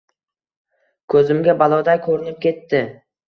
Koʻzimga baloday koʻrinib ketdi.